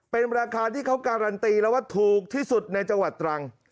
เป็นราคาที่เขาการันตีแล้วว่าถูกที่สุดในจังหวัดตรัง